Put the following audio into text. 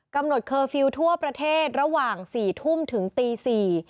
กำหนดเคอร์ฟิลล์ทั่วประเทศระหว่าง๔ทุ่มถึงตี๔